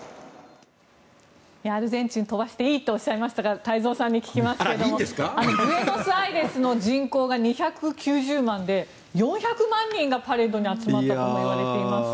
アルゼンチン飛ばしていいとおっしゃいましたが太蔵さんに聞きますけどもブエノスアイレスの人口が２９０万人で、４００万人がパレードに集まったといわれています。